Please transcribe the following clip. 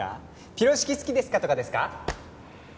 「ピロシキ好きですか？」とかですか？